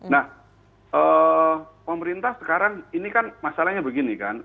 nah pemerintah sekarang ini kan masalahnya begini kan